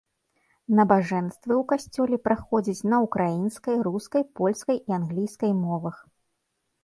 Набажэнствы ў касцёле праходзяць на ўкраінскай, рускай, польскай і англійскай мовах.